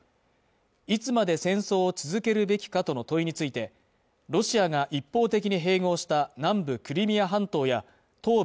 いつまで戦争を続けるべきかとの問いについてロシアが一方的に併合した南部クリミア半島や東部